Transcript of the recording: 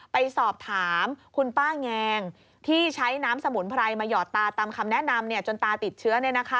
ไปสอบถามคุณป้าแงงที่ใช้น้ำสมุนไพรมาหยอดตาตามคำแนะนำจนตาติดเชื้อ